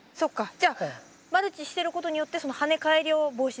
じゃあマルチしてることによってその跳ね返りを防止できる。